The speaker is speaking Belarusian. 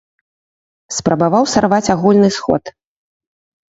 Спрабаваў сарваць агульны сход!